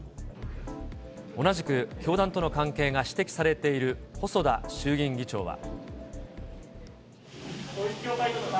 同じく、教団との関係が指摘されている細田衆院議長は。